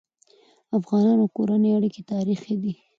د افغانانو کورنی اړيکي تاریخي دي.